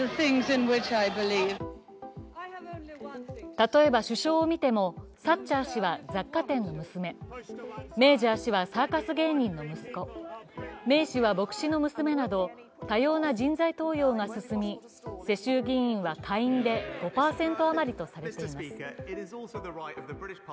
例えば、首相を見てもサッチャー氏は雑貨店の娘、メージャー氏はサーカス芸人の息子、メイ氏は牧師の娘など、多様な人材登用が進み、世襲議員は下院で５％余りとされています。